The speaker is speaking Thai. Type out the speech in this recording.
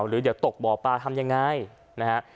หรือเดี๋ยวตกบ่อปลาทำยังไงนะฮะ